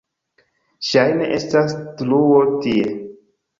Ŝajne estas truo tie.